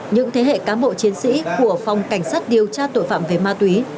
những thế hệ cá mộ chiến sĩ của phòng cảnh sát điều tra tội phạm về ma túy